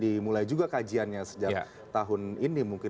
dimulai juga kajiannya sejak tahun ini mungkin